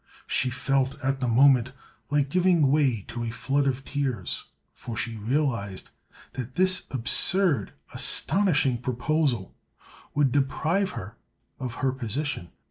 She felt at the moment like giving way to a flood of tears, for she realized that this absurd, astonishing proposal would deprive her of her position.